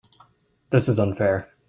This is unfair.